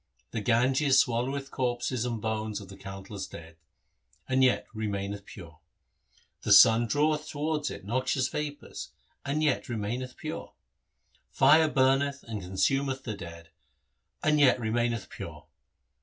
The Ganges swalloweth corpses and bones of the countless dead, and yet remaineth pure ; the sun draweth towards it noxious vapours, and yet remaineth pure ; fire burneth and consumeth the dead, and yet remaineth pure.